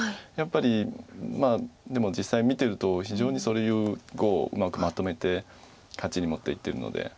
やっぱりでも実際見てると非常にそういう碁をうまくまとめて勝ちに持っていってるので。